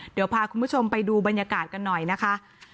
เดี๋ยวพาคุณผู้ชมไปดูบรรยากาศกันหน่อยนะคะ